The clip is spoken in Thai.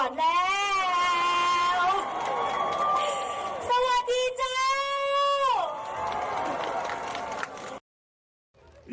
สวัสดีเจ้า